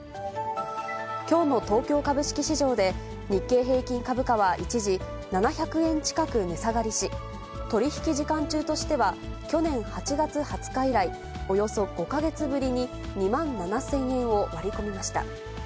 きょうの東京株式市場で、日経平均株価は一時、７００円近く値下がりし、取り引き時間中としては、去年８月２０日以来、およそ５か月ぶりに２万７０００円を割り込みました。